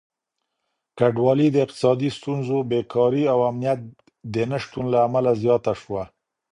کډوالي د اقتصادي ستونزو، بېکاري او امنيت د نشتون له امله زياته شوه.